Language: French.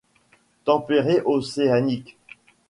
Tempéré océanique.